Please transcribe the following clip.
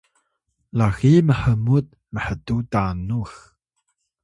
laxiy mhmut mhtuw tanux